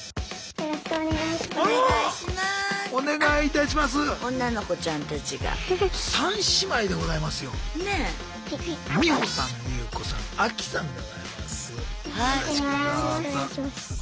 よろしくお願いします。